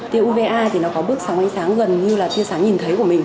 tiêu uva thì nó có bước song ánh sáng gần như là tiêu sáng nhìn thấy của mình